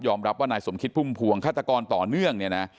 ยอมรับว่านายสมคิตภูมิภวงฆาตกรต่อเนื่อง